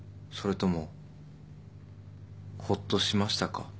それともほっとしましたか？